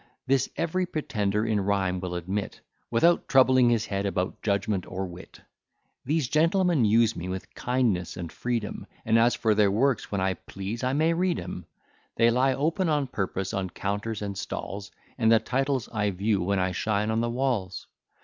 This every pretender in rhyme will admit, Without troubling his head about judgment or wit. These gentlemen use me with kindness and freedom, And as for their works, when I please I may read 'em. They lie open on purpose on counters and stalls, And the titles I view, when I shine on the walls.